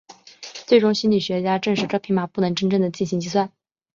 最终心理学家证实这匹马不能真正地进行计算。